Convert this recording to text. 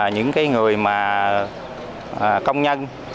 những người công nhân